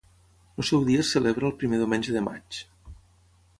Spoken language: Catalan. El seu dia se celebra el primer diumenge de maig.